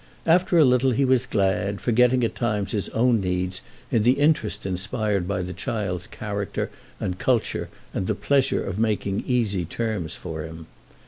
After a little he was glad, forgetting at times his own needs in the interest inspired by the child's character and culture and the pleasure of making easy terms for him.